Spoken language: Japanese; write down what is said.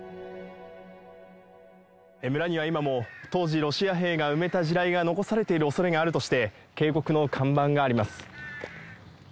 村には今も、当時ロシア兵が埋めた地雷が残されているおそれがあるとして、警告の看板があります。